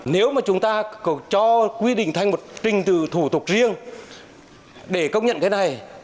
nếu mà chúng ta cho quy định thành một trình từ thủ tục riêng để công nhận thế này